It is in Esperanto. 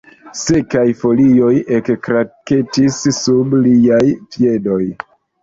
La sekaj folioj ekkraketis sub liaj piedoj.